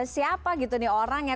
siapa gitu nih orangnya